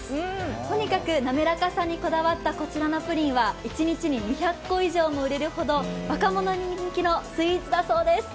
とにかくなめらかさにこだわったこちらのプリンは１日に２００個以上も売れるほど、若者に人気のスイーツだそうです。